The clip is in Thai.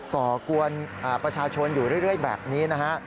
ก่อกวนประชาชนอยู่เรื่อยแบบนี้นะฮะ